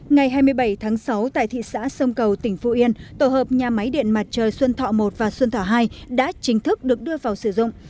ngày hai mươi bảy tháng sáu tại thị xã sông cầu tỉnh phú yên tổ hợp nhà máy điện mặt trời xuân thọ một và xuân thọ hai đã chính thức được đưa vào sử dụng